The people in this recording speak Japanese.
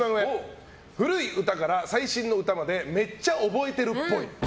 古い歌から最新の歌までめっちゃ覚えてるっぽい。